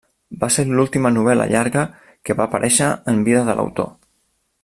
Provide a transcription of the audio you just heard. Va ser l'última novel·la llarga que va aparèixer en vida de l'autor.